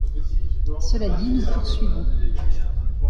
Cela dit, nous poursuivons.